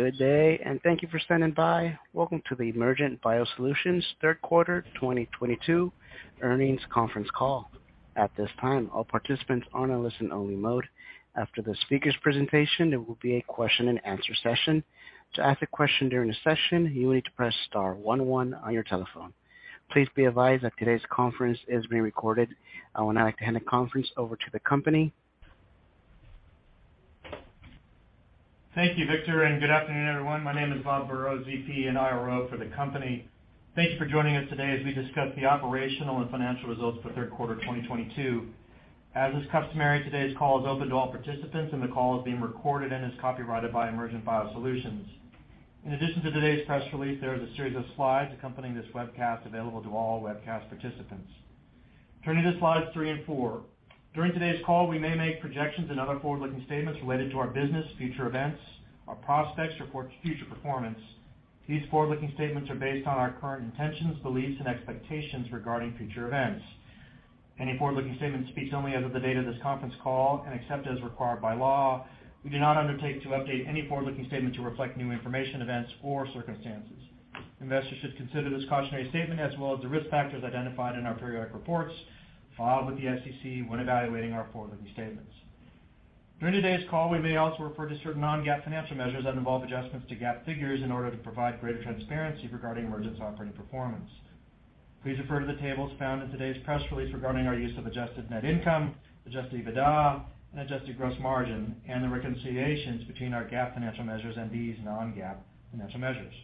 Good day, and thank you for standing by. Welcome to the Emergent BioSolutions third quarter 2022 earnings conference call. At this time, all participants are in a listen-only mode. After the speakers' presentation, there will be a question and answer session. To ask a question during the session, you will need to press star one one on your telephone. Please be advised that today's conference is being recorded. I would now like to hand the conference over to the company. Thank you, Victor, and good afternoon, everyone. My name is Bob Burrows, VP and IRO for the company. Thank you for joining us today as we discuss the operational and financial results for third quarter 2022. As is customary, today's call is open to all participants, and the call is being recorded and is copyrighted by Emergent BioSolutions. In addition to today's press release, there is a series of slides accompanying this webcast available to all webcast participants. Turning to slides three and four. During today's call, we may make projections and other forward-looking statements related to our business, future events, our prospects, or future performance. These forward-looking statements are based on our current intentions, beliefs, and expectations regarding future events. Any forward-looking statement speaks only as of the date of this conference call, and except as required by law, we do not undertake to update any forward-looking statement to reflect new information, events, or circumstances. Investors should consider this cautionary statement, as well as the risk factors identified in our periodic reports filed with the SEC when evaluating our forward-looking statements. During today's call, we may also refer to certain non-GAAP financial measures that involve adjustments to GAAP figures in order to provide greater transparency regarding Emergent's operating performance. Please refer to the tables found in today's press release regarding our use of adjusted net income, adjusted EBITDA, and adjusted gross margin, and the reconciliations between our GAAP financial measures and these non-GAAP financial measures.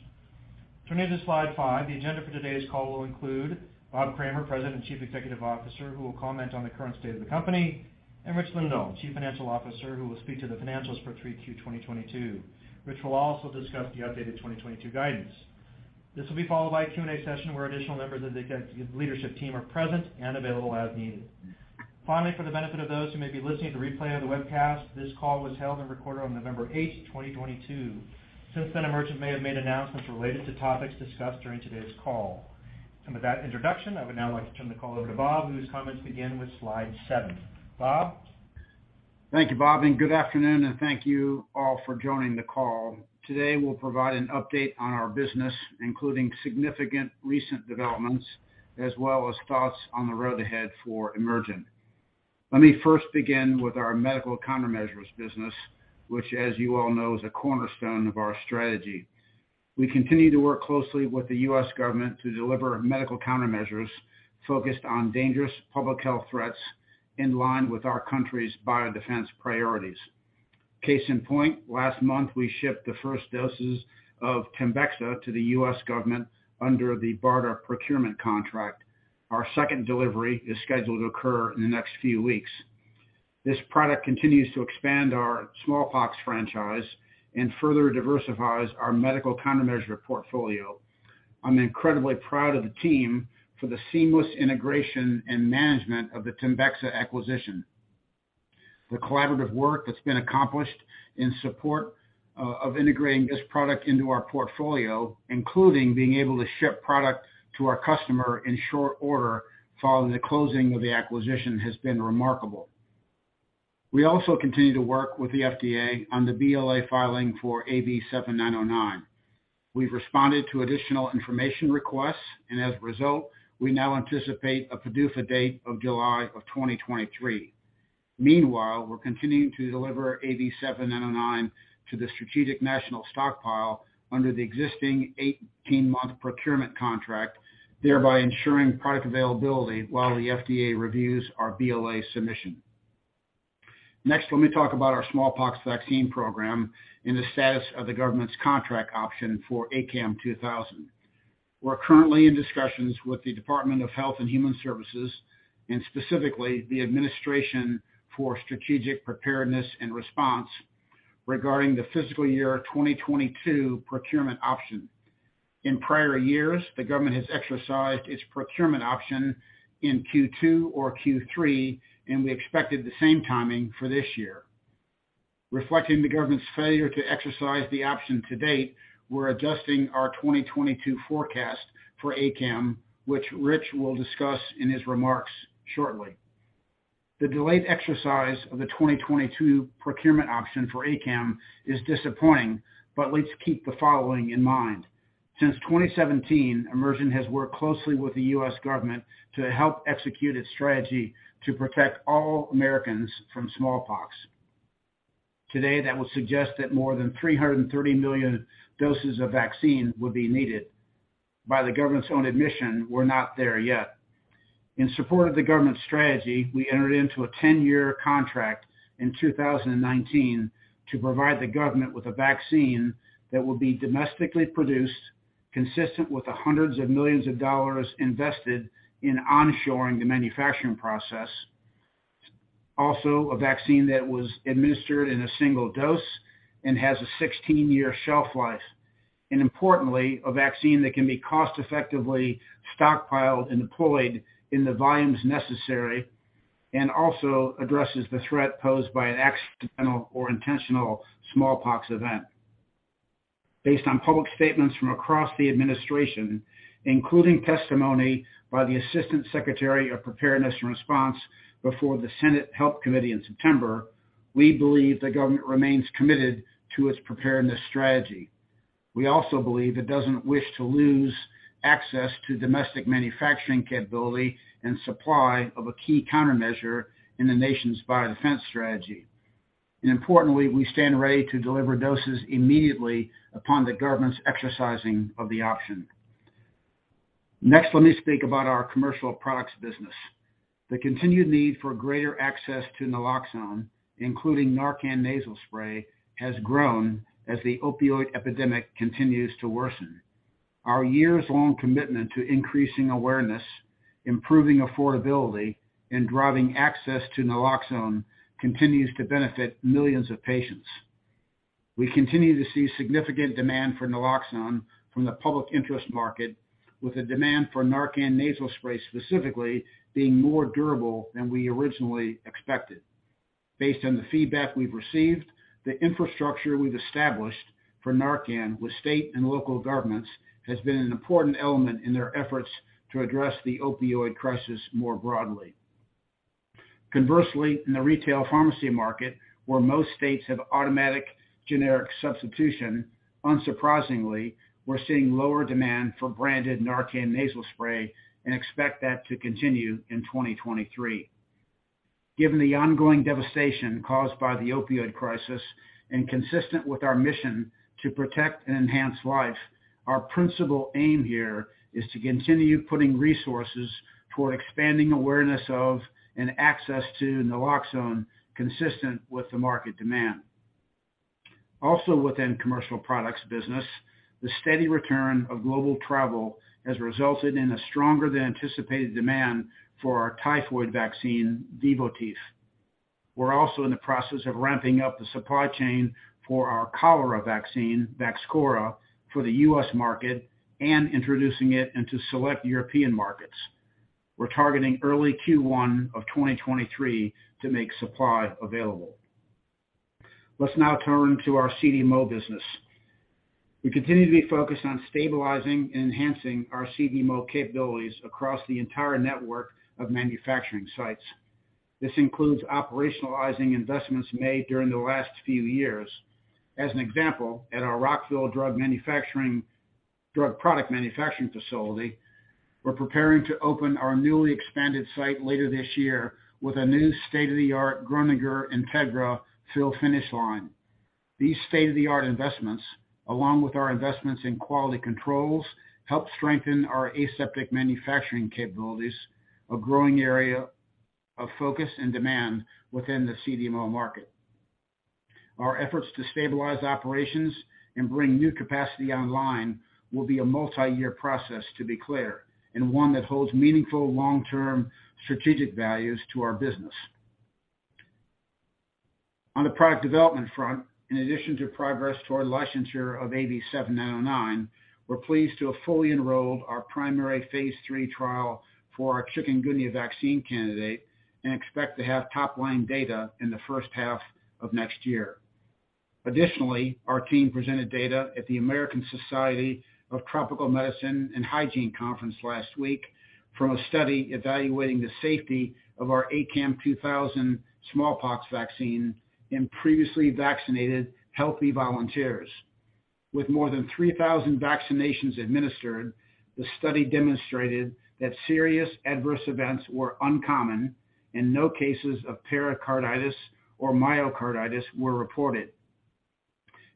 Turning to slide five. The agenda for today's call will include Bob Kramer, President and Chief Executive Officer, who will comment on the current state of the company, and Rich Lindahl, Chief Financial Officer, who will speak to the financials for 3Q 2022. Rich will also discuss the updated 2022 guidance. This will be followed by a Q&A session where additional members of the executive leadership team are present and available as needed. Finally, for the benefit of those who may be listening to the replay of the webcast, this call was held and recorded on November 8th, 2022. Since then, Emergent may have made announcements related to topics discussed during today's call. With that introduction, I would now like to turn the call over to Bob, whose comments begin with slide seven. Bob? Thank you, Bob, and good afternoon, and thank you all for joining the call. Today, we will provide an update on our business, including significant recent developments, as well as thoughts on the road ahead for Emergent. Let me first begin with our medical countermeasures business, which as you all know, is a cornerstone of our strategy. We continue to work closely with the U.S. government to deliver medical countermeasures focused on dangerous public health threats in line with our country's biodefense priorities. Case in point, last month, we shipped the first doses of TEMBEXA to the U.S. government under the BARDA procurement contract. Our second delivery is scheduled to occur in the next few weeks. This product continues to expand our smallpox franchise and further diversifies our medical countermeasure portfolio. I am incredibly proud of the team for the seamless integration and management of the TEMBEXA acquisition. The collaborative work that has been accomplished in support of integrating this product into our portfolio, including being able to ship product to our customer in short order following the closing of the acquisition, has been remarkable. We also continue to work with the FDA on the BLA filing for AV7909. We have responded to additional information requests, as a result, we now anticipate a PDUFA date of July of 2023. Meanwhile, we are continuing to deliver AV7909 to the Strategic National Stockpile under the existing 18-month procurement contract, thereby ensuring product availability while the FDA reviews our BLA submission. Next, let me talk about our smallpox vaccine program and the status of the government's contract option for ACAM2000. We are currently in discussions with the Department of Health and Human Services, specifically the Administration for Strategic Preparedness and Response, regarding the fiscal year 2022 procurement option. In prior years, the government has exercised its procurement option in Q2 or Q3, we expected the same timing for this year. Reflecting the government's failure to exercise the option to date, we are adjusting our 2022 forecast for ACAM, which Rich will discuss in his remarks shortly. The delayed exercise of the 2022 procurement option for ACAM is disappointing, let us keep the following in mind. Since 2017, Emergent has worked closely with the U.S. government to help execute its strategy to protect all Americans from smallpox. Today, that would suggest that more than 330 million doses of vaccine would be needed. By the government's own admission, we are not there yet. In support of the government's strategy, we entered into a 10-year contract in 2019 to provide the government with a vaccine that will be domestically produced consistent with the hundreds of millions of dollars invested in onshoring the manufacturing process. Also, a vaccine that was administered in a single dose and has a 16-year shelf life. Importantly, a vaccine that can be cost effectively stockpiled and deployed in the volumes necessary, and also addresses the threat posed by an accidental or intentional smallpox event. Based on public statements from across the administration, including testimony by the Assistant Secretary of Preparedness and Response before the Senate Health Committee in September, we believe the government remains committed to its preparedness strategy. We also believe it does not wish to lose access to domestic manufacturing capability and supply of a key countermeasure in the nation's biodefense strategy. Importantly, we stand ready to deliver doses immediately upon the government's exercising of the option. Next, let me speak about our commercial products business. The continued need for greater access to naloxone, including NARCAN Nasal Spray, has grown as the opioid epidemic continues to worsen. Our years-long commitment to increasing awareness, improving affordability, and driving access to naloxone continues to benefit millions of patients. We continue to see significant demand for naloxone from the public interest market, with the demand for NARCAN Nasal Spray specifically being more durable than we originally expected. Based on the feedback we've received, the infrastructure we've established for NARCAN with state and local governments has been an important element in their efforts to address the opioid crisis more broadly. Conversely, in the retail pharmacy market, where most states have automatic generic substitution, unsurprisingly, we're seeing lower demand for branded NARCAN Nasal Spray and expect that to continue in 2023. Given the ongoing devastation caused by the opioid crisis and consistent with our mission to protect and enhance life, our principal aim here is to continue putting resources toward expanding awareness of and access to naloxone consistent with the market demand. Also within commercial products business, the steady return of global travel has resulted in a stronger than anticipated demand for our typhoid vaccine, Vivotif. We're also in the process of ramping up the supply chain for our cholera vaccine, VAXCHORA, for the U.S. market and introducing it into select European markets. We're targeting early Q1 of 2023 to make supply available. Let's now turn to our CDMO business. We continue to be focused on stabilizing and enhancing our CDMO capabilities across the entire network of manufacturing sites. This includes operationalizing investments made during the last few years. As an example, at our Rockville drug product manufacturing facility, we're preparing to open our newly expanded site later this year with a new state-of-the-art Groninger integra fill-finish line. These state-of-the-art investments, along with our investments in quality controls, help strengthen our aseptic manufacturing capabilities, a growing area of focus and demand within the CDMO market. Our efforts to stabilize operations and bring new capacity online will be a multi-year process, to be clear, and one that holds meaningful long-term strategic values to our business. On the product development front, in addition to progress toward licensure of AD7909, we're pleased to have fully enrolled our primary phase III trial for our Chikungunya vaccine candidate and expect to have top-line data in the first half of next year. Additionally, our team presented data at the American Society of Tropical Medicine and Hygiene conference last week from a study evaluating the safety of our ACAM2000 smallpox vaccine in previously vaccinated healthy volunteers. With more than 3,000 vaccinations administered, the study demonstrated that serious adverse events were uncommon, and no cases of pericarditis or myocarditis were reported.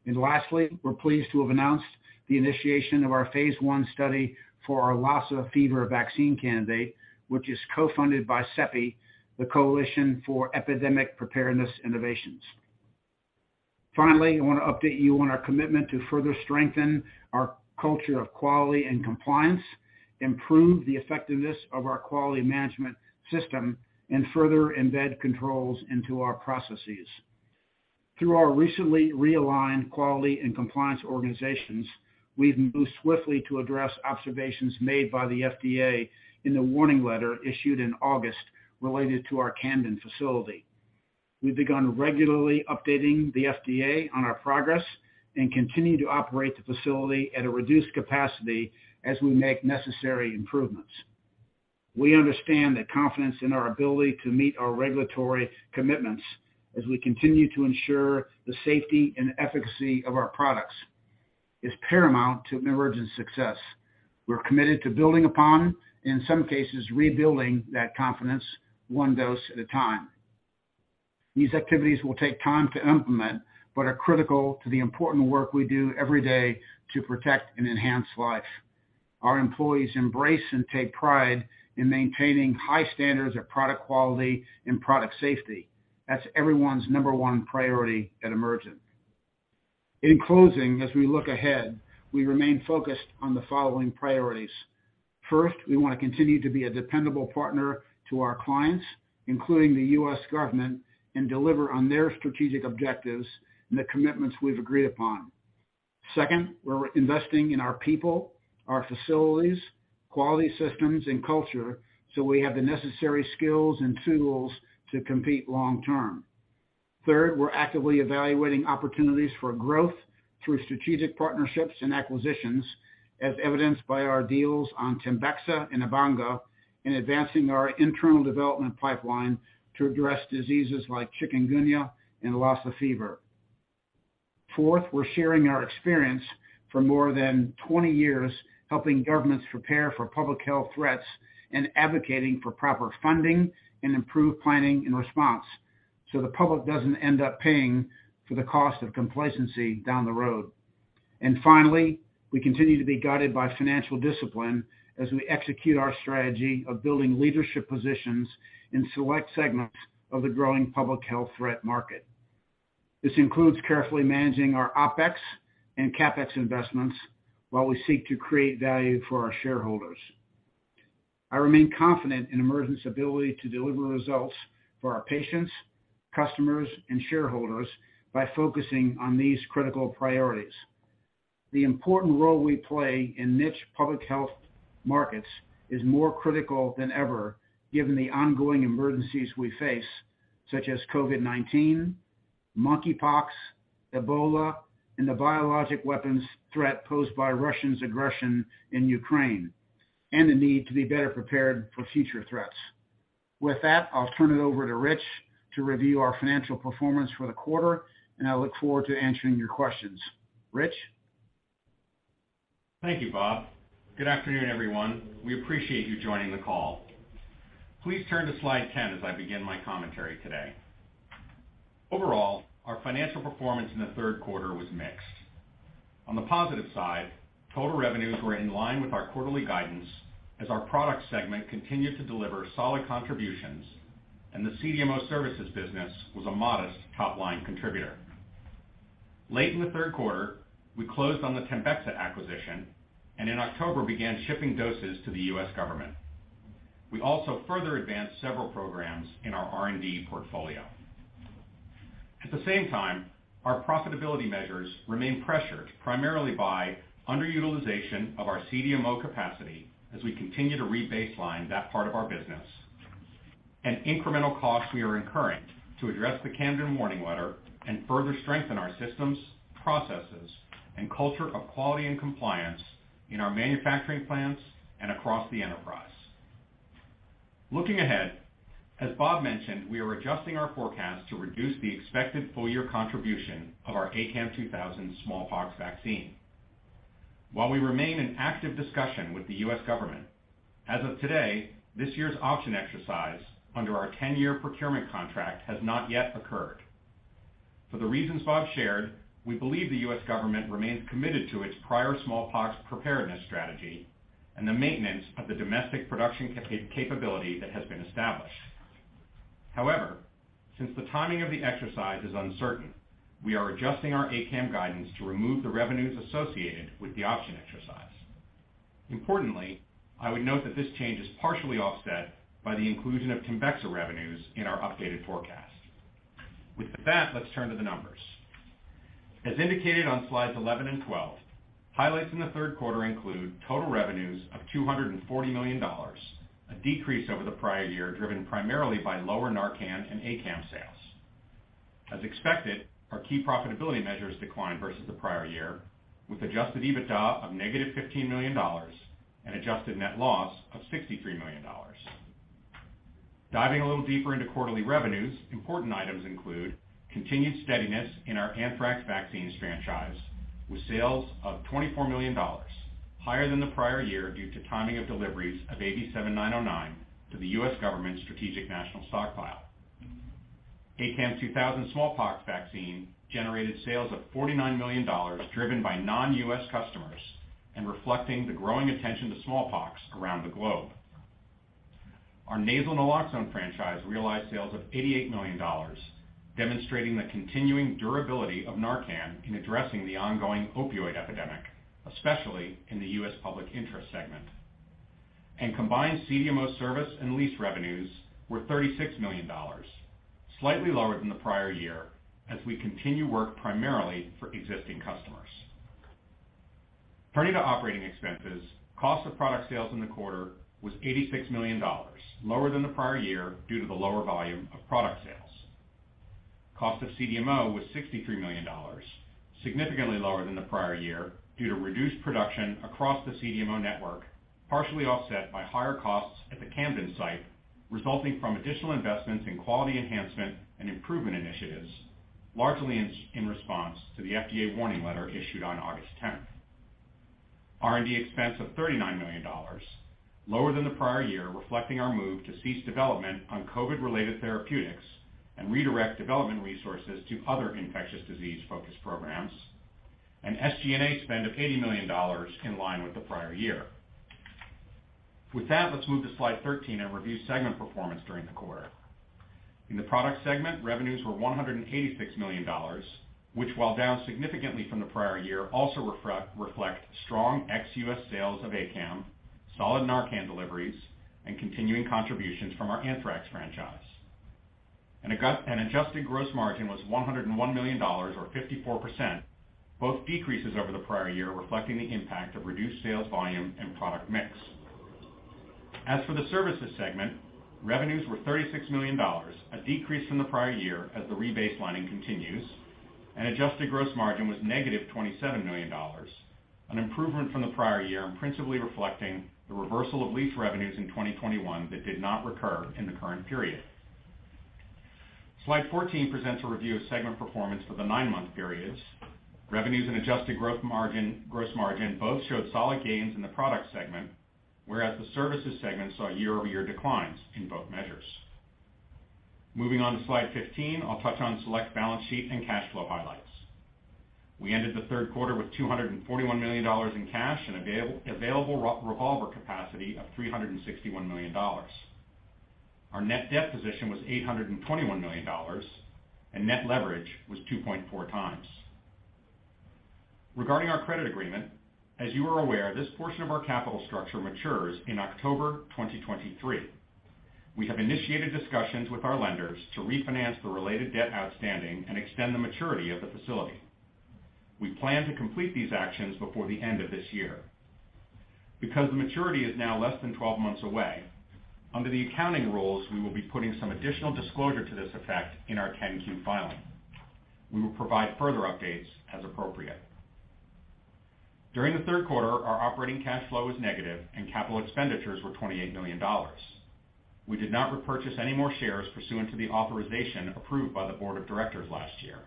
Lastly, we're pleased to have announced the initiation of our phase I study for our Lassa fever vaccine candidate, which is co-funded by CEPI, the Coalition for Epidemic Preparedness Innovations. Finally, I want to update you on our commitment to further strengthen our culture of quality and compliance, improve the effectiveness of our quality management system, and further embed controls into our processes. Through our recently realigned quality and compliance organizations, we've moved swiftly to address observations made by the FDA in the warning letter issued in August related to our Camden facility. We've begun regularly updating the FDA on our progress and continue to operate the facility at a reduced capacity as we make necessary improvements. We understand that confidence in our ability to meet our regulatory commitments as we continue to ensure the safety and efficacy of our products is paramount to Emergent's success. We're committed to building upon, in some cases, rebuilding that confidence one dose at a time. These activities will take time to implement, but are critical to the important work we do every day to protect and enhance life. Our employees embrace and take pride in maintaining high standards of product quality and product safety. That's everyone's number one priority at Emergent. In closing, as we look ahead, we remain focused on the following priorities. First, we want to continue to be a dependable partner to our clients, including the U.S. government, and deliver on their strategic objectives and the commitments we've agreed upon. Second, we're investing in our people, our facilities, quality systems, and culture so we have the necessary skills and tools to compete long term. Third, we're actively evaluating opportunities for growth through strategic partnerships and acquisitions, as evidenced by our deals on TEMBEXA and Ebanga, and advancing our internal development pipeline to address diseases like Chikungunya and Lassa fever. Finally, we're sharing our experience for more than 20 years helping governments prepare for public health threats and advocating for proper funding and improved planning and response, so the public doesn't end up paying for the cost of complacency down the road. Finally, we continue to be guided by financial discipline as we execute our strategy of building leadership positions in select segments of the growing public health threat market. This includes carefully managing our OpEx and CapEx investments while we seek to create value for our shareholders. I remain confident in Emergent's ability to deliver results for our patients, customers, and shareholders by focusing on these critical priorities. The important role we play in niche public health markets is more critical than ever given the ongoing emergencies we face, such as COVID-19, Mpox, Ebola, and the biologic weapons threat posed by Russia's aggression in Ukraine, and the need to be better prepared for future threats. With that, I'll turn it over to Rich to review our financial performance for the quarter. I look forward to answering your questions. Rich? Thank you, Bob. Good afternoon, everyone. We appreciate you joining the call. Please turn to slide 10 as I begin my commentary today. Overall, our financial performance in the third quarter was mixed. On the positive side, total revenues were in line with our quarterly guidance as our product segment continued to deliver solid contributions and the CDMO services business was a modest top-line contributor. Late in the third quarter, we closed on the TEMBEXA acquisition, and in October, began shipping doses to the U.S. government. We also further advanced several programs in our R&D portfolio. Our profitability measures remain pressured primarily by underutilization of our CDMO capacity as we continue to re-baseline that part of our business, and incremental costs we are incurring to address the Camden warning letter and further strengthen our systems, processes, and culture of quality and compliance in our manufacturing plants and across the enterprise. Looking ahead, as Bob mentioned, we are adjusting our forecast to reduce the expected full-year contribution of our ACAM2000 smallpox vaccine. While we remain in active discussion with the U.S. government, as of today, this year's option exercise under our 10-year procurement contract has not yet occurred. For the reasons Bob shared, we believe the U.S. government remains committed to its prior smallpox preparedness strategy and the maintenance of the domestic production capability that has been established. Since the timing of the exercise is uncertain, we are adjusting our ACAM guidance to remove the revenues associated with the option exercise. Importantly, I would note that this change is partially offset by the inclusion of TEMBEXA revenues in our updated forecast. Let's turn to the numbers. As indicated on slides 11 and 12, highlights in the third quarter include total revenues of $240 million, a decrease over the prior year driven primarily by lower NARCAN and ACAM sales. As expected, our key profitability measures declined versus the prior year, with adjusted EBITDA of negative $15 million and adjusted net loss of $63 million. Diving a little deeper into quarterly revenues, important items include continued steadiness in our anthrax vaccines franchise, with sales of $24 million, higher than the prior year due to timing of deliveries of AV7909 to the U.S. government's Strategic National Stockpile. ACAM2000 smallpox vaccine generated sales of $49 million, driven by non-U.S. customers and reflecting the growing attention to smallpox around the globe. Our nasal naloxone franchise realized sales of $88 million, demonstrating the continuing durability of NARCAN in addressing the ongoing opioid epidemic, especially in the U.S. public interest segment. Combined CDMO service and lease revenues were $36 million, slightly lower than the prior year as we continue work primarily for existing customers. Turning to operating expenses, cost of product sales in the quarter was $86 million, lower than the prior year due to the lower volume of product sales. Cost of CDMO was $63 million, significantly lower than the prior year due to reduced production across the CDMO network, partially offset by higher costs at the Camden site resulting from additional investments in quality enhancement and improvement initiatives, largely in response to the FDA warning letter issued on August 10th. R&D expense of $39 million, lower than the prior year, reflecting our move to cease development on COVID-related therapeutics and redirect development resources to other infectious disease-focused programs. SG&A spend of $80 million, in line with the prior year. With that, let's move to slide 13 and review segment performance during the quarter. In the product segment, revenues were $186 million, which, while down significantly from the prior year, also reflect strong ex-U.S. sales of ACAM, solid NARCAN deliveries, and continuing contributions from our anthrax franchise. Adjusted gross margin was $101 million, or 54%, both decreases over the prior year reflecting the impact of reduced sales volume and product mix. As for the services segment, revenues were $36 million, a decrease from the prior year as the re-baselining continues. Adjusted gross margin was negative $27 million, an improvement from the prior year principally reflecting the reversal of lease revenues in 2021 that did not recur in the current period. Slide 14 presents a review of segment performance for the nine-month periods. Revenues and adjusted gross margin both showed solid gains in the product segment, whereas the services segment saw year-over-year declines in both measures. Moving on to slide 15, I'll touch on select balance sheet and cash flow highlights. We ended the third quarter with $241 million in cash and available revolver capacity of $361 million. Our net debt position was $821 million, and net leverage was 2.4 times. Regarding our credit agreement, as you are aware, this portion of our capital structure matures in October 2023. We have initiated discussions with our lenders to refinance the related debt outstanding and extend the maturity of the facility. We plan to complete these actions before the end of this year. Because the maturity is now less than 12 months away, under the accounting rules, we will be putting some additional disclosure to this effect in our 10-Q filing. We will provide further updates as appropriate. During the third quarter, our operating cash flow was negative, and capital expenditures were $28 million. We did not repurchase any more shares pursuant to the authorization approved by the board of directors last year.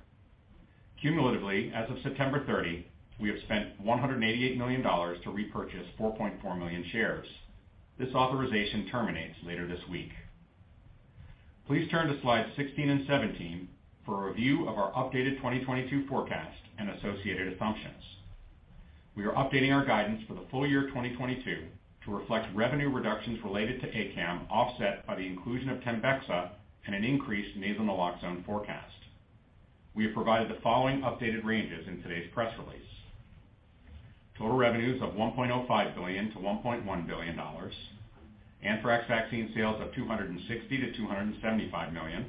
Cumulatively, as of September 30, we have spent $188 million to repurchase 4.4 million shares. This authorization terminates later this week. Please turn to slides 16 and 17 for a review of our updated 2022 forecast and associated assumptions. We are updating our guidance for the full year 2022 to reflect revenue reductions related to ACAM offset by the inclusion of TEMBEXA and an increased nasal naloxone forecast. We have provided the following updated ranges in today's press release. Total revenues of $1.05 billion to $1.1 billion. Anthrax vaccine sales of $260 million to $275 million.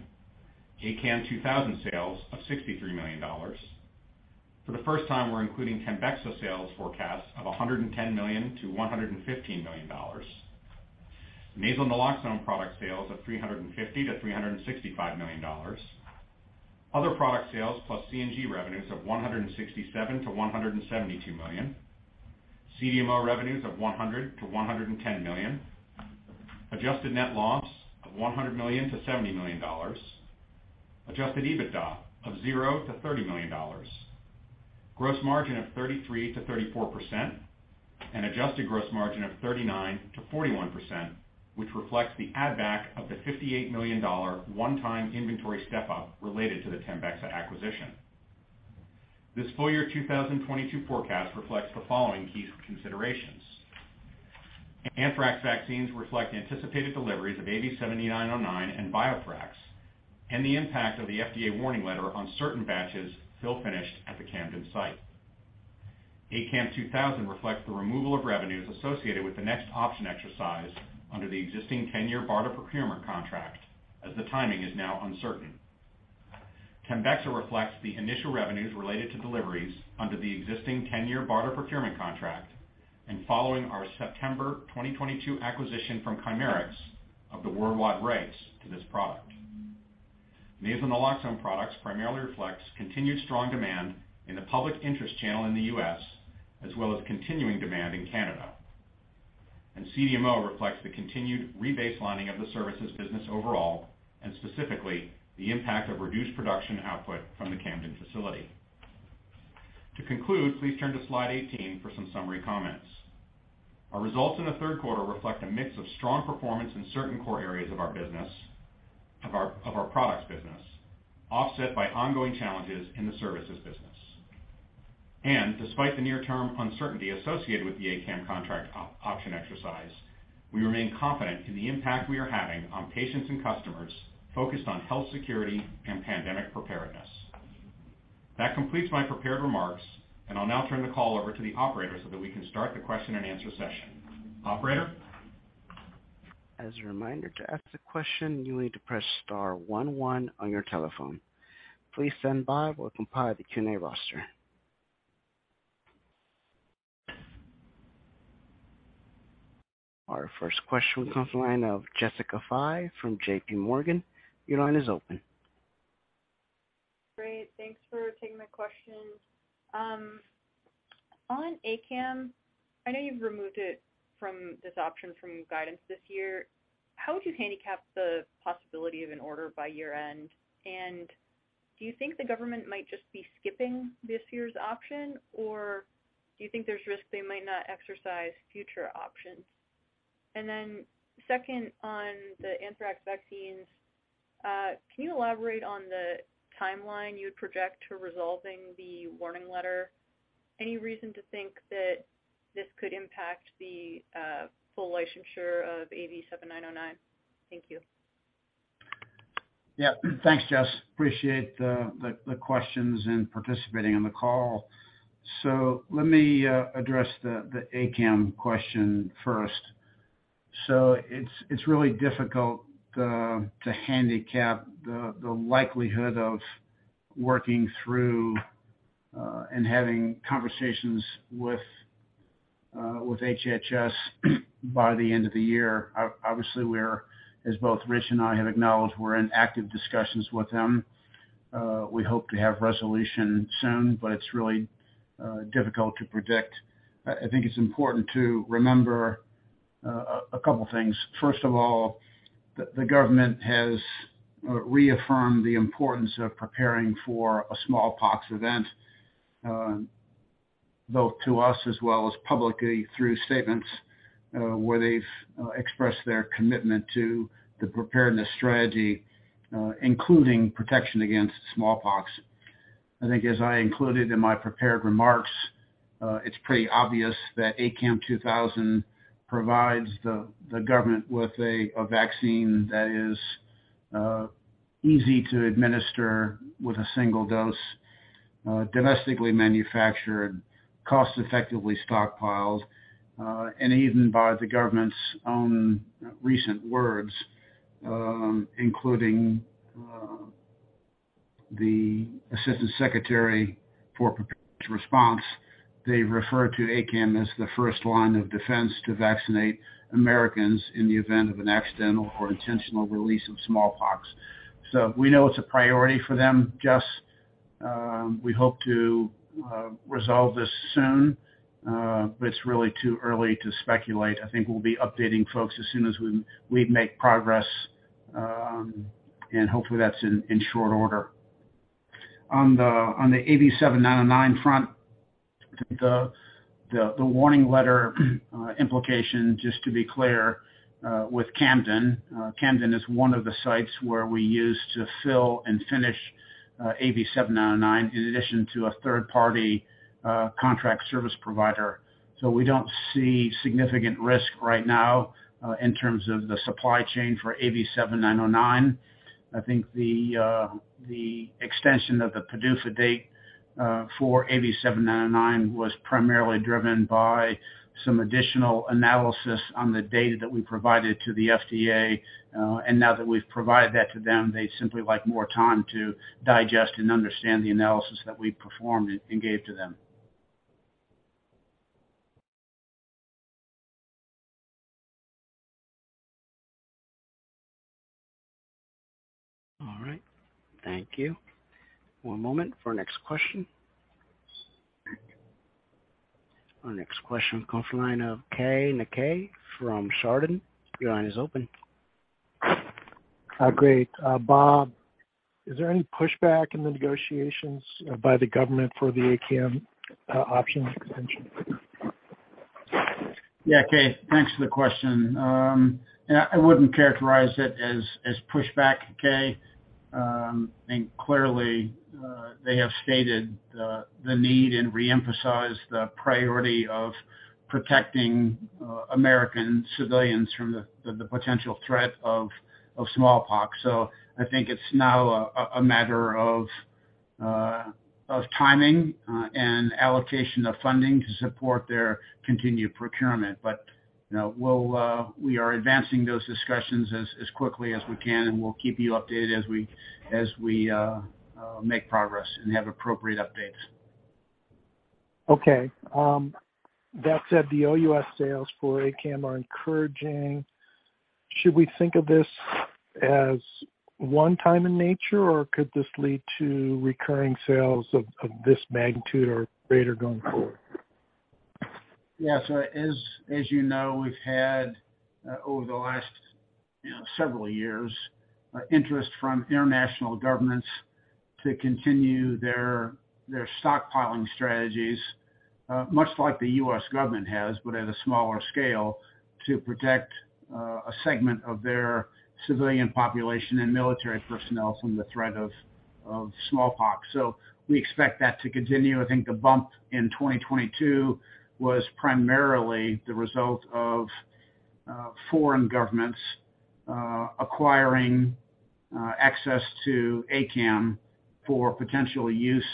ACAM2000 sales of $63 million. For the first time, we're including TEMBEXA sales forecasts of $110 million to $115 million. Nasal naloxone product sales of $350 million to $365 million. Other product sales plus CNDM revenues of $167 million to $172 million. CDMO revenues of $100 million to $110 million. Adjusted net loss of $100 million to $70 million. Adjusted EBITDA of zero to $30 million. Gross margin of 33%-34%, and adjusted gross margin of 39%-41%, which reflects the add back of the $58 million one-time inventory step-up related to the TEMBEXA acquisition. This full-year 2022 forecast reflects the following key considerations. Anthrax vaccines reflect anticipated deliveries of AV7909 and BioThrax, and the impact of the FDA warning letter on certain batches fill finished at the Camden site. ACAM2000 reflects the removal of revenues associated with the next option exercise under the existing 10-year BARDA procurement contract, as the timing is now uncertain. TEMBEXA reflects the initial revenues related to deliveries under the existing 10-year BARDA procurement contract and following our September 2022 acquisition from Chimerix of the worldwide rights to this product. Nasal naloxone products primarily reflects continued strong demand in the public interest channel in the U.S., as well as continuing demand in Canada. CDMO reflects the continued rebaselining of the services business overall, and specifically, the impact of reduced production output from the Camden facility. To conclude, please turn to slide 18 for some summary comments. Our results in the third quarter reflect a mix of strong performance in certain core areas of our products business, offset by ongoing challenges in the services business. Despite the near-term uncertainty associated with the ACAM contract option exercise, we remain confident in the impact we are having on patients and customers focused on health security and pandemic preparedness. That completes my prepared remarks, I'll now turn the call over to the operator so that we can start the question and answer session. Operator? As a reminder, to ask a question, you need to press star one one on your telephone. Please stand by while we compile the Q&A roster. Our first question comes from the line of Jessica Fye from JPMorgan. Your line is open. Great. Thanks for taking my questions. On ACAM, I know you've removed it from this option from guidance this year. How would you handicap the possibility of an order by year-end? Do you think the government might just be skipping this year's option, or do you think there's risk they might not exercise future options? Then second, on the anthrax vaccines, can you elaborate on the timeline you would project for resolving the warning letter? Any reason to think that this could impact the full licensure of AV7909? Thank you. Thanks, Jess. Appreciate the questions and participating on the call. Let me address the ACAM question first. It's really difficult to handicap the likelihood of working through and having conversations with HHS by the end of the year. Obviously, as both Rich and I have acknowledged, we're in active discussions with them. We hope to have resolution soon, it's really difficult to predict. I think it's important to remember A couple things. First of all, the government has reaffirmed the importance of preparing for a smallpox event, both to us as well as publicly through statements where they've expressed their commitment to the preparedness strategy, including protection against smallpox. I think as I included in my prepared remarks, it's pretty obvious that ACAM2000 provides the government with a vaccine that is easy to administer with a single dose, domestically manufactured, cost-effectively stockpiled, and even by the government's own recent words, including the Assistant Secretary for Preparedness and Response, they refer to ACAM as the first line of defense to vaccinate Americans in the event of an accidental or intentional release of smallpox. We know it's a priority for them, Jess. We hope to resolve this soon. It's really too early to speculate. I think we'll be updating folks as soon as we make progress, and hopefully, that's in short order. On the AV7909 front, the warning letter implication, just to be clear, with Camden. Camden is one of the sites where we use to fill and finish AV7909 in addition to a third-party contract service provider. We don't see significant risk right now in terms of the supply chain for AV7909. I think the extension of the PDUFA date for AV7909 was primarily driven by some additional analysis on the data that we provided to the FDA. Now that we've provided that to them, they'd simply like more time to digest and understand the analysis that we performed and gave to them. All right. Thank you. One moment for our next question. Our next question comes from the line of Keay Nakae from Chardan. Your line is open. Great. Bob, is there any pushback in the negotiations by the government for the ACAM options extension? Yeah, Keay. Thanks for the question. I wouldn't characterize it as pushback, Keay. I think clearly they have stated the need and reemphasized the priority of protecting American civilians from the potential threat of smallpox. I think it's now a matter of timing and allocation of funding to support their continued procurement. We are advancing those discussions as quickly as we can, and we'll keep you updated as we make progress and have appropriate updates. Okay. That said, the OUS sales for ACAM are encouraging. Should we think of this as one-time in nature, or could this lead to recurring sales of this magnitude or greater going forward? Yeah. As you know, we've had over the last several years interest from international governments to continue their stockpiling strategies, much like the U.S. government has, but at a smaller scale, to protect a segment of their civilian population and military personnel from the threat of smallpox. We expect that to continue. I think the bump in 2022 was primarily the result of foreign governments acquiring access to ACAM for potential use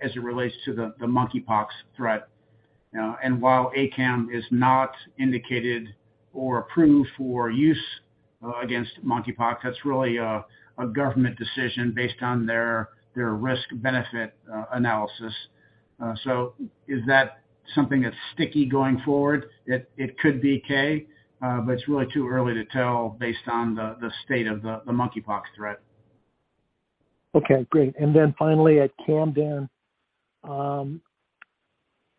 as it relates to the monkeypox threat. While ACAM is not indicated or approved for use against monkeypox, that's really a government decision based on their risk-benefit analysis. Is that something that's sticky going forward? It could be, Keay, but it's really too early to tell based on the state of the monkeypox threat. Okay, great. Finally, at Camden,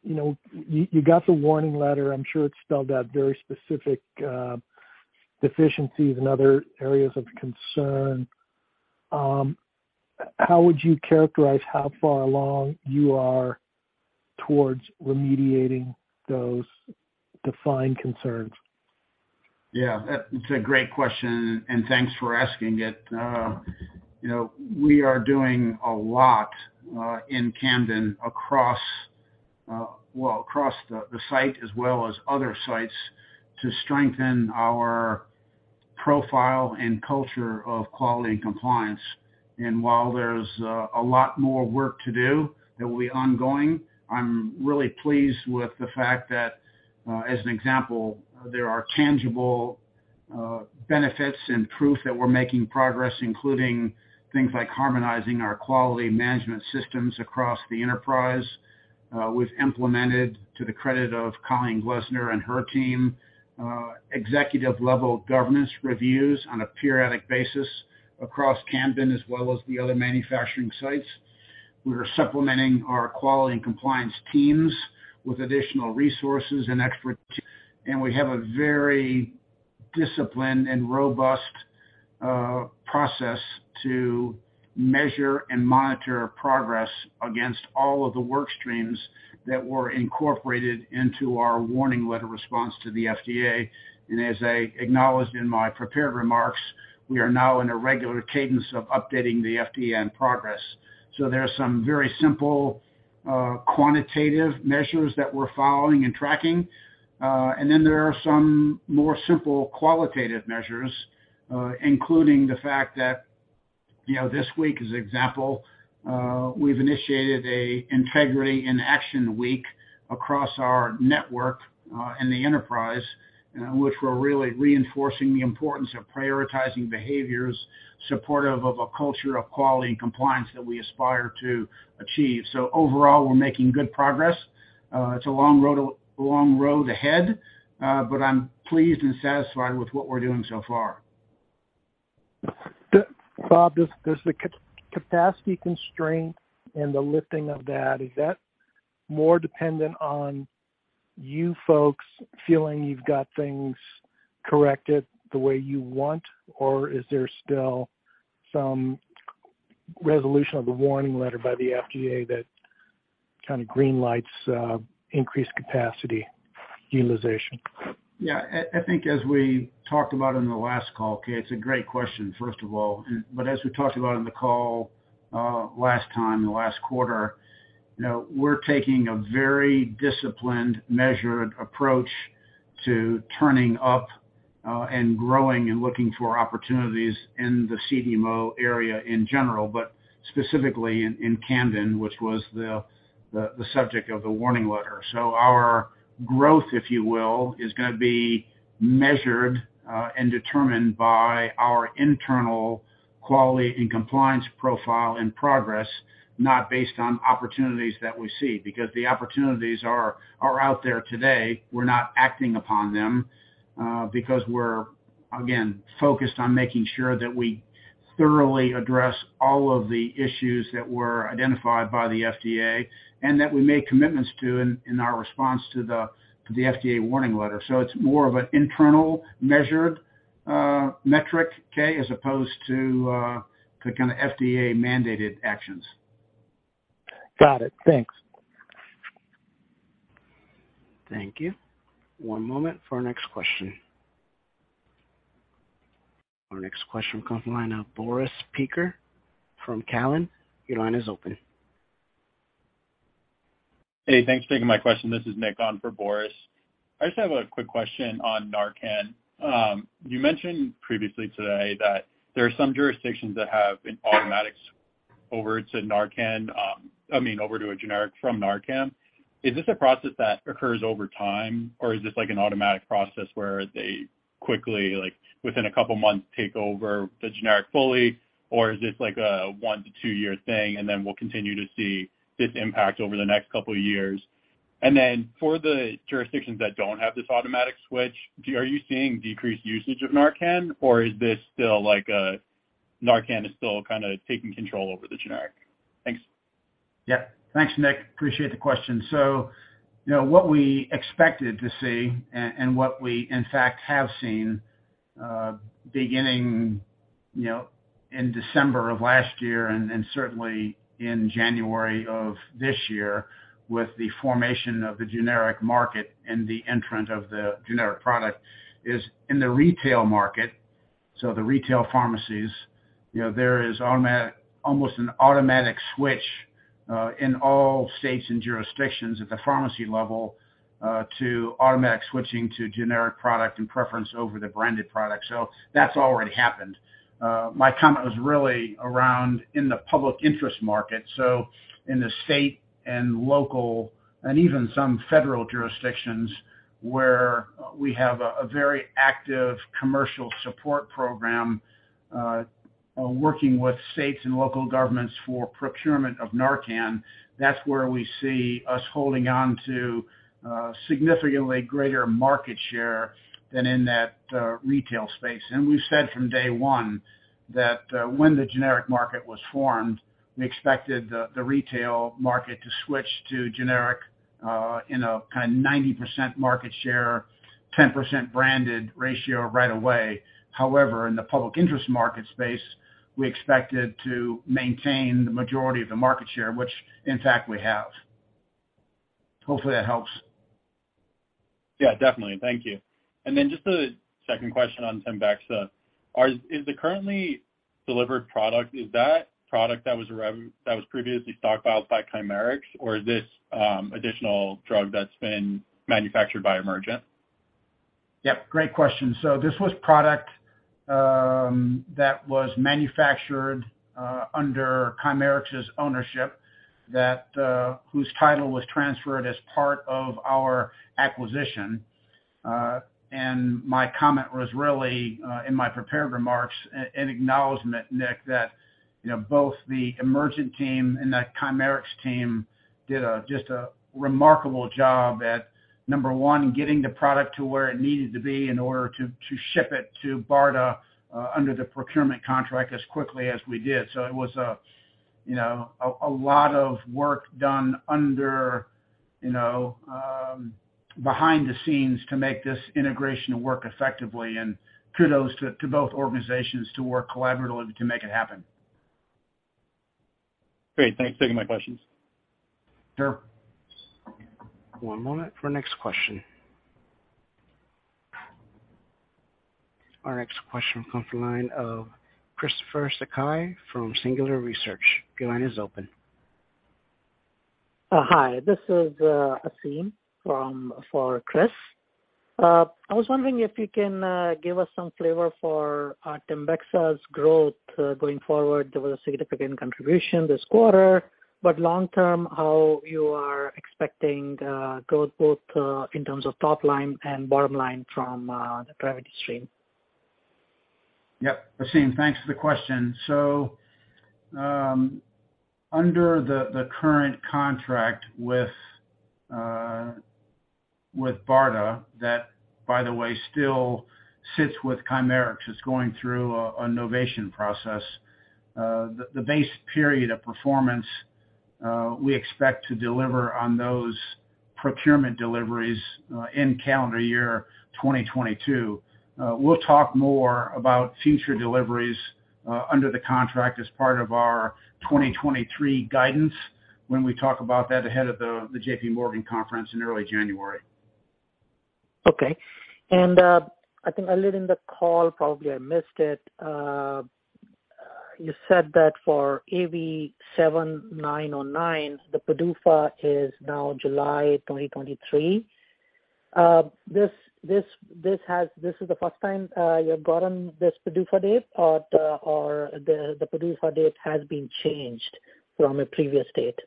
you got the warning letter. I'm sure it spelled out very specific deficiencies and other areas of concern. How would you characterize how far along you are towards remediating those defined concerns? Yeah. It's a great question, thanks for asking it. We are doing a lot in Camden across the site as well as other sites to strengthen our profile and culture of quality and compliance. While there's a lot more work to do that will be ongoing, I'm really pleased with the fact that as an example, there are tangible benefits and proof that we're making progress, including things like harmonizing our quality management systems across the enterprise. We've implemented, to the credit of Colleen Glessner and her team, Executive level governance reviews on a periodic basis across Camden as well as the other manufacturing sites. We are supplementing our quality and compliance teams with additional resources and expertise, we have a very disciplined and robust process to measure and monitor progress against all of the work streams that were incorporated into our warning letter response to the FDA. As I acknowledged in my prepared remarks, we are now in a regular cadence of updating the FDA on progress. There are some very simple quantitative measures that we're following and tracking. There are some more simple qualitative measures, including the fact that this week, as an example, we've initiated a integrity in action week across our network, in the enterprise, in which we're really reinforcing the importance of prioritizing behaviors supportive of a culture of quality and compliance that we aspire to achieve. Overall, we're making good progress. It's a long road ahead, I'm pleased and satisfied with what we're doing so far. Bob, does the capacity constraint and the lifting of that, is that more dependent on you folks feeling you've got things corrected the way you want? Or is there still some resolution of the warning letter by the FDA that kind of green lights increased capacity utilization? I think as we talked about on the last call, Keay, it's a great question, first of all. As we talked about on the call last time, the last quarter, we're taking a very disciplined, measured approach to turning up and growing and looking for opportunities in the CDMO area in general, but specifically in Camden, which was the subject of the warning letter. Our growth, if you will, is going to be measured and determined by our internal quality and compliance profile and progress, not based on opportunities that we see, because the opportunities are out there today. We're not acting upon them, because we're, again, focused on making sure that we thoroughly address all of the issues that were identified by the FDA and that we made commitments to in our response to the FDA warning letter. It's more of an internal measured metric, Keay, as opposed to kind of FDA-mandated actions. Got it. Thanks. Thank you. One moment for our next question. Our next question comes from the line of Boris Peaker from Cowen. Your line is open. Hey, thanks for taking my question. This is Nick on for Boris. I just have a quick question on Narcan. You mentioned previously today that there are some jurisdictions that have an automatic over to, I mean, over to a generic from Narcan. Is this a process that occurs over time, or is this like an automatic process where they quickly, within a couple of months, take over the generic fully? Or is this like a one to two-year thing, and then we'll continue to see this impact over the next couple of years? For the jurisdictions that don't have this automatic switch, are you seeing decreased usage of Narcan, or is this still like Narcan is still kind of taking control over the generic? Thanks. Yeah. Thanks, Nick. Appreciate the question. What we expected to see and what we in fact have seen, beginning in December of last year and certainly in January of this year with the formation of the generic market and the entrance of the generic product, is in the retail market, the retail pharmacies, there is almost an automatic switch in all states and jurisdictions at the pharmacy level to automatic switching to generic product and preference over the branded product. That's already happened. My comment was really around in the public interest market, in the state and local and even some federal jurisdictions where we have a very active commercial support program, working with states and local governments for procurement of Narcan. That's where we see us holding on to significantly greater market share than in that retail space. We've said from day one that when the generic market was formed, we expected the retail market to switch to generic in a kind of 90% market share, 10% branded ratio right away. However, in the public interest market space, we expected to maintain the majority of the market share, which in fact we have. Hopefully that helps. Yeah, definitely. Thank you. Just a second question on TEMBEXA. Is the currently delivered product, is that product that was previously stockpiled by Chimerix, or is this additional drug that's been manufactured by Emergent? Yep, great question. This was product that was manufactured under Chimerix's ownership, whose title was transferred as part of our acquisition. My comment was really, in my prepared remarks, an acknowledgment, Nick, that both the Emergent team and the Chimerix team did just a remarkable job at number one, getting the product to where it needed to be in order to ship it to BARDA under the procurement contract as quickly as we did. It was a lot of work done behind the scenes to make this integration work effectively, kudos to both organizations to work collaboratively to make it happen. Great. Thanks. Taking my questions. Sure. One moment for next question. Our next question will come from the line of Christopher Sakai from Singular Research. Your line is open. Hi. This is Aseem for Chris. I was wondering if you can give us some flavor for TEMBEXA's growth going forward. There was a significant contribution this quarter, but long term, how you are expecting the growth both in terms of top line and bottom line from the government stream? Yep, Aseem, thanks for the question. Under the current contract with BARDA, that, by the way, still sits with Chimerix. It's going through a novation process. The base period of performance, we expect to deliver on those procurement deliveries in calendar year 2022. We'll talk more about future deliveries under the contract as part of our 2023 guidance when we talk about that ahead of the JPMorgan conference in early January. I think earlier in the call, probably I missed it, you said that for AV7909, the PDUFA is now July 2023. This is the first time you have gotten this PDUFA date or the PDUFA date has been changed from a previous date?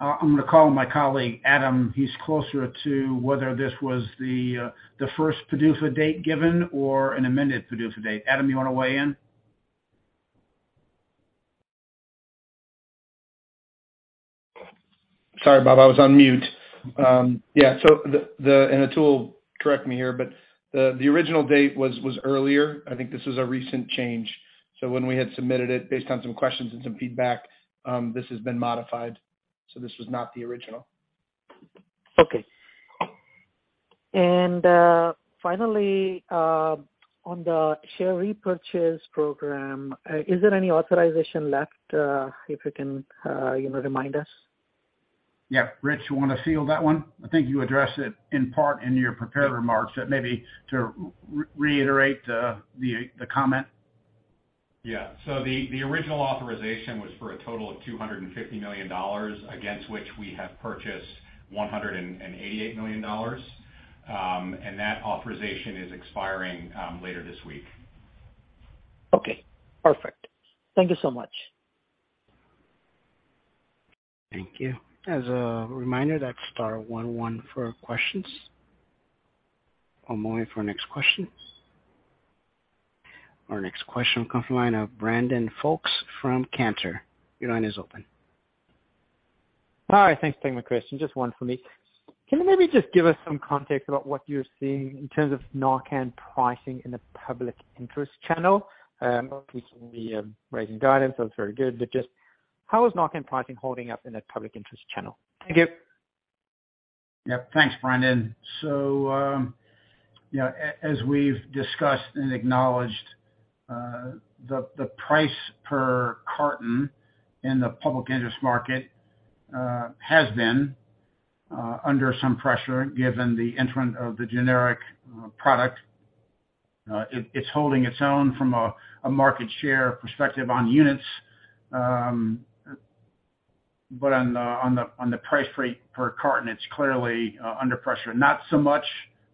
I'm going to call my colleague, Adam. He's closer to whether this was the first PDUFA date given or an amended PDUFA date. Adam, you want to weigh in? Sorry, Bob, I was on mute. Atul, correct me here, but the original date was earlier. I think this is a recent change. When we had submitted it based on some questions and some feedback, this has been modified. This was not the original. Finally, on the share repurchase program, is there any authorization left if you can remind us? Rich, you want to field that one? I think you addressed it in part in your prepared remarks, but maybe to reiterate the comment. The original authorization was for a total of $250 million, against which we have purchased $188 million. That authorization is expiring later this week. Okay. Perfect. Thank you so much. Thank you. As a reminder, that's star 11 for questions. One moment for next question. Our next question comes from the line of Brandon Folkes from Cantor. Your line is open. Hi. Thanks for taking my question. Just one for me. Can you maybe just give us some context about what you're seeing in terms of NARCAN pricing in the public interest channel? Obviously, we raising guidance, that was very good, but just how is NARCAN pricing holding up in the public interest channel? Thank you. Yep. Thanks, Brandon. As we've discussed and acknowledged, the price per carton in the public interest market has been under some pressure given the entrant of the generic product. It's holding its own from a market share perspective on units. But on the price per carton, it's clearly under pressure. Not so much,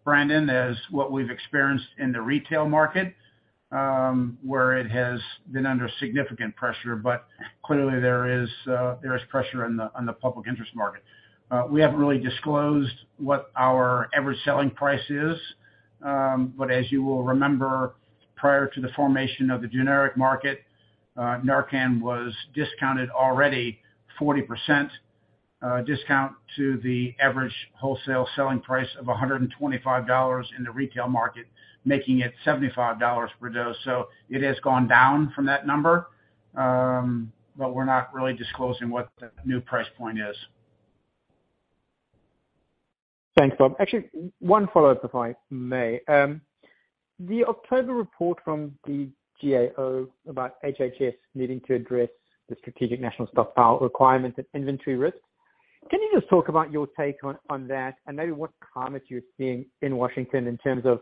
Brandon, as what we've experienced in the retail market, where it has been under significant pressure, but clearly there is pressure on the public interest market. We haven't really disclosed what our ever selling price is. As you will remember, prior to the formation of the generic market, NARCAN was discounted already 40% discount to the average wholesale selling price of $125 in the retail market, making it $75 per dose. It has gone down from that number, but we're not really disclosing what the new price point is. Thanks, Bob. Actually, one follow-up, if I may. The October report from the GAO about HHS needing to address the Strategic National Stockpile requirements and inventory risks, can you just talk about your take on that and maybe what comments you're seeing in Washington in terms of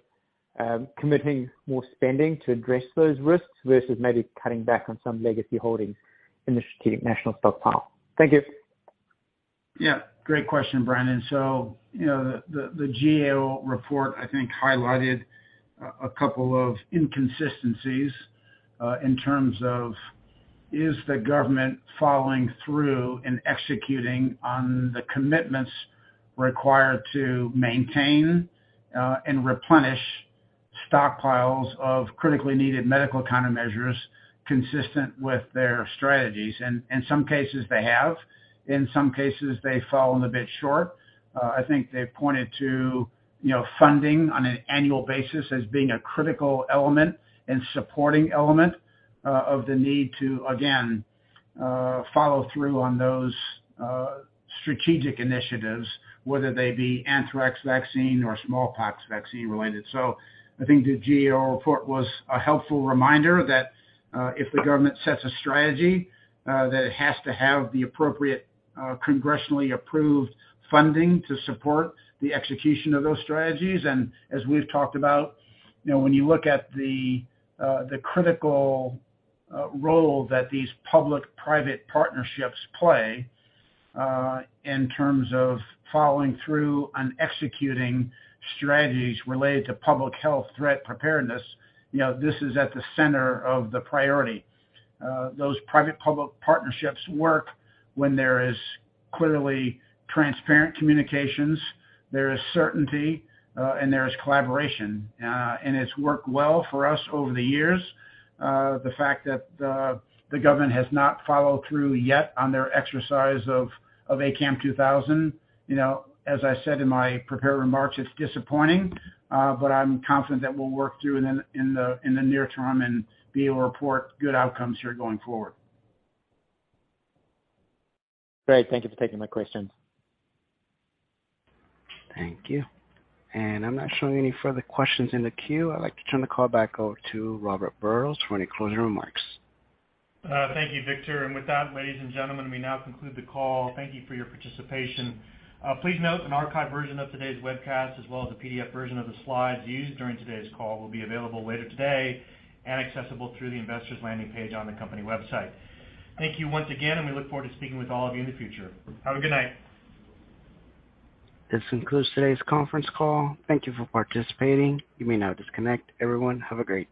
committing more spending to address those risks versus maybe cutting back on some legacy holdings in the Strategic National Stockpile? Thank you. Yeah. Great question, Brandon. The GAO report, I think, highlighted a couple of inconsistencies in terms of, is the government following through and executing on the commitments required to maintain and replenish stockpiles of critically needed medical countermeasures consistent with their strategies. In some cases, they have. In some cases, they've fallen a bit short. I think they pointed to funding on an annual basis as being a critical element and supporting element of the need to, again, follow through on those strategic initiatives, whether they be anthrax vaccine or smallpox vaccine related. I think the GAO report was a helpful reminder that if the government sets a strategy, that it has to have the appropriate congressionally approved funding to support the execution of those strategies. As we've talked about, when you look at the critical role that these public-private partnerships play, in terms of following through on executing strategies related to public health threat preparedness, this is at the center of the priority. Those private-public partnerships work when there is clearly transparent communications, there is certainty, and there is collaboration. It's worked well for us over the years. The fact that the government has not followed through yet on their exercise of ACAM2000, as I said in my prepared remarks, it's disappointing. I'm confident that we'll work through in the near term and be able to report good outcomes here going forward. Great. Thank you for taking my questions. Thank you. I'm not showing any further questions in the queue. I'd like to turn the call back over to Robert Burrows for any closing remarks. Thank you, Victor. With that, ladies and gentlemen, we now conclude the call. Thank you for your participation. Please note an archived version of today's webcast, as well as a PDF version of the slides used during today's call, will be available later today and accessible through the investors' landing page on the company website. Thank you once again, we look forward to speaking with all of you in the future. Have a good night. This concludes today's conference call. Thank you for participating. You may now disconnect. Everyone, have a great day.